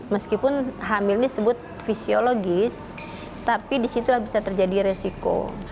meskipun hamil ini disebut fisiologis tapi disitulah bisa terjadi resiko